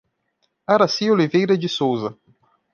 Araci Oliveira de Souza